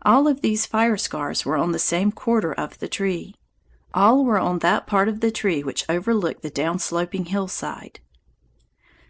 All of these fire scars were on the same quarter of the tree. All were on that part of the tree which overlooked the down sloping hillside.